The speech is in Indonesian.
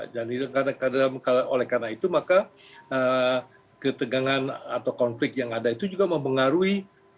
dan karena itu maka ketegangan atau konflik yang ada itu juga mempengaruhi